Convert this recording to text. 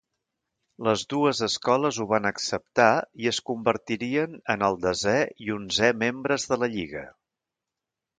Les dues escoles ho van acceptar i es convertirien en el desè i onzè membres de la lliga.